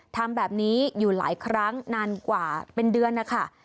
ทำแบบนี้อยู่หลายครั้งนานกว่าเป็นเดือนนะคะ